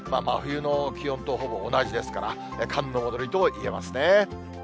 真冬の気温とほぼ同じですから、寒の戻りといえますね。